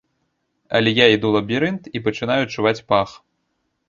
Але я іду лабірынт і пачынаю адчуваць пах.